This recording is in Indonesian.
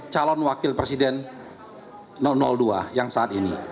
calon wakil presiden dua yang saat ini